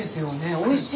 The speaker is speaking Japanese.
おいしい？